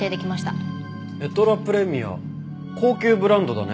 「エトラ・プレミア」高級ブランドだね。